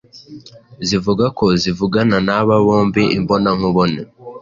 zivuga ko zivugana n’aba bombi imbonankubone